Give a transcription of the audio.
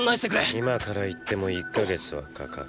今から行っても１か月はかかる。